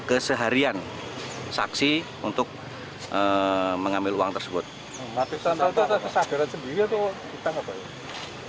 keseharian saksi untuk mengambil uang tersebut nanti sampai kesadaran sendiri tuh kita ngapain